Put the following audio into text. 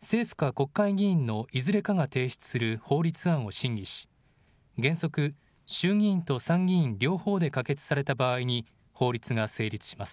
政府か国会議員のいずれかが提出する法律案を審議し、原則、衆議院と参議院両方で可決された場合に、法律が成立します。